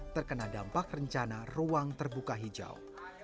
terkena dampak rencana ruang terbuka hijau